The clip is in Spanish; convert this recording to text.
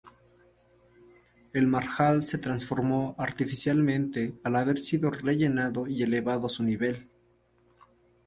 El marjal se transformó artificialmente, al haber sido rellenado y elevado su nivel.